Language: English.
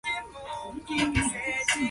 Invariably, Pat answers without doing so.